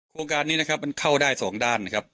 โครงการนี้นะครับมันเข้าได้สองด้านนะครับ